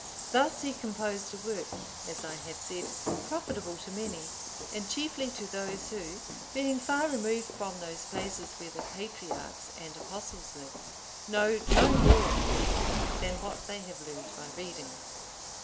Thus he composed a work, as I have said, profitable to many, and chiefly to those who, being far removed from those places where the patriarchs and Apostles lived, know no more of them than what they have learnt by reading.